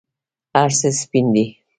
هرڅه سپین دي